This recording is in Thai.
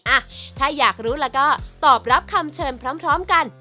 อ่ะถ้าอยากรู้แล้วก็ตอบรับคำเชิญพร้อมกัน